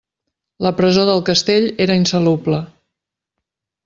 La presó del castell era insalubre.